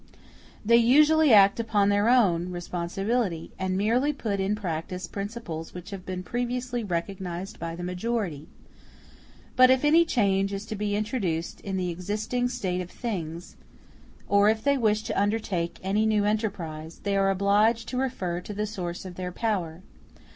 They usually act upon their own responsibility, and merely put in practice principles which have been previously recognized by the majority. But if any change is to be introduced in the existing state of things, or if they wish to undertake any new enterprise, they are obliged to refer to the source of their power.